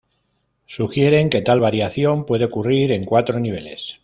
Sugieren que tal variación puede ocurrir en cuatro niveles.